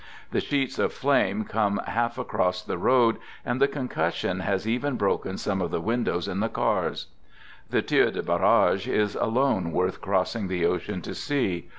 The sheets of flame come half across the road, and the concussion . has even broken some of the windows in the cars. i ... The " tir de barrage " is alone worth crossing the ocean to see.